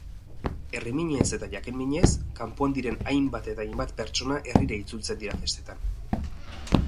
Herriminez eta jakin-minez, kanpoan diren hainbat eta hainbat pertsona herrira itzultzen dira festetan.